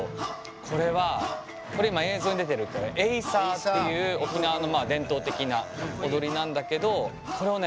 これはこれ今映像に出てるこれエイサーっていう沖縄の伝統的な踊りなんだけどこれをね